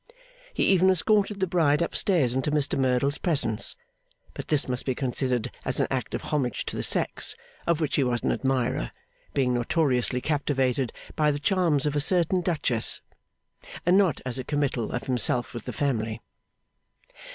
He even escorted the Bride up stairs into Mr Merdle's presence; but this must be considered as an act of homage to the sex (of which he was an admirer, being notoriously captivated by the charms of a certain Duchess), and not as a committal of himself with the family.